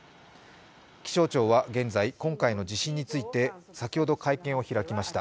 気象庁は現在、今回の地震について先ほど会見を開きました。